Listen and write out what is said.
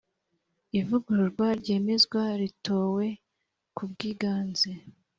Ivugururwa ryemezwa ritowe ku bwiganze